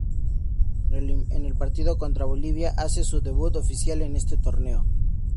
En el partido contra Bolivia hace su debut oficial en este torneo.